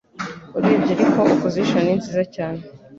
Urebye ariko opposition ni nziza cyane